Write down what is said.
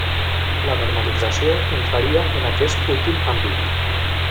La normalització entraria en aquest últim àmbit.